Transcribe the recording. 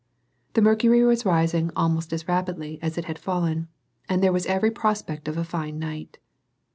The mercury was rising almost as rapidly as it had fallen, and there was every prospect of a fine night.